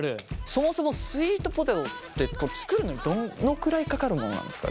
そもそもスイートポテトって作るのにどのくらいかかるものなんですか？